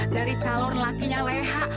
dari talor lakinya leha